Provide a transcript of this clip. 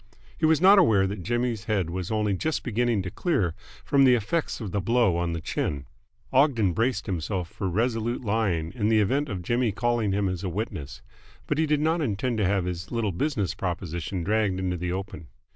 He was not aware that Jimmy's head was only just beginning to clear from the effects of the blow on the chin. Ogden braced himself for resolute lying in the event of Jimmy calling him as a witness. But he did not intend to have his little business proposition dragged into the open.